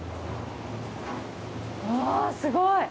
わすごい！